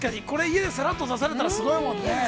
これ家でさらっと出されたら、すごいもんね。